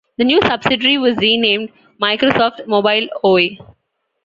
The new subsidiary was renamed Microsoft Mobile Oy.